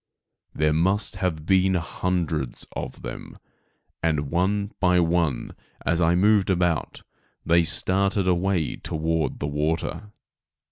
There must have been hundreds of them, and, one by one, as I moved about, they started away toward the water.